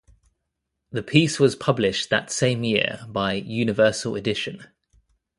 The piece was published that same year by Universal Edition.